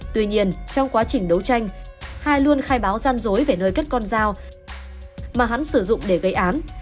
tuy nhiên trong quá trình đấu tranh hải luôn khai báo gian dối về nơi cất con dao mà hắn sử dụng để gây án